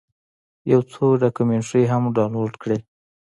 یو څو ډاکمنټرۍ هم ډاونلوډ کړې.